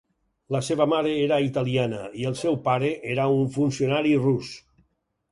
La seva mare era italiana, i el seu pare era un funcionari rus.